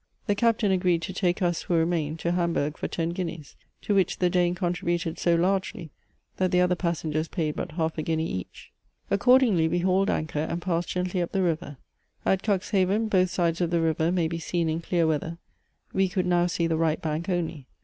The captain agreed to take us, who remained, to Hamburg for ten guineas, to which the Dane contributed so largely, that the other passengers paid but half a guinea each. Accordingly we hauled anchor, and passed gently up the river. At Cuxhaven both sides of the river may be seen in clear weather; we could now see the right bank only.